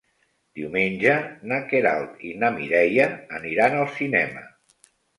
Diumenge na Queralt i na Mireia aniran al cinema.